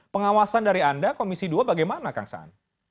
pengawasan dari anda komisi dua bagaimana kang saan